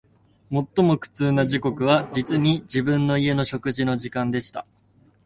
最も苦痛な時刻は、実に、自分の家の食事の時間でした